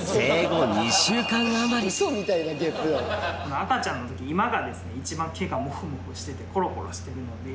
赤ちゃんの時今が一番毛がモフモフしててコロコロしてるので。